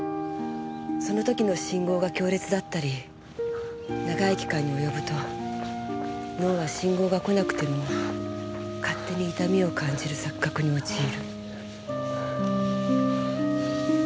その時の信号が強烈だったり長い期間に及ぶと脳は信号が来なくても勝手に痛みを感じる錯覚に陥る。